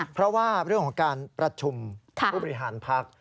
เพราะว่าเรื่องของการประชุมผู้บริหารพัก